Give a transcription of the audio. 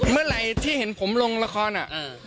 เมื่อไหร่ที่เห็นผมลงรคอร์นเนี้ย